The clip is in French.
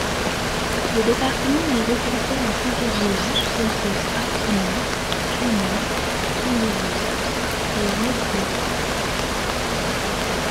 Le département est regroupé en plusieurs villages tels que Afouno, Tchiono, Koullouwa et Wayigui.